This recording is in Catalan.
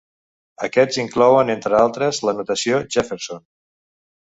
Aquests inclouen, entre d'altres, l'anotació Jefferson.